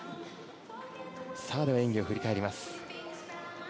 では、演技を振り返ります。